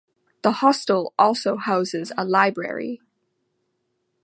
The hostel also houses a library.